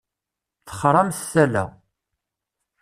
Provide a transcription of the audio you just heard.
Texṛamt tala.